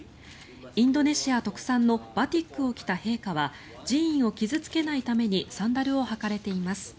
インドネシア特産のバティックを着た陛下は寺院を傷付けないためのサンダルを履かれています。